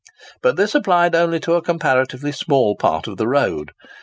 But this applied only to a comparatively small part of the road.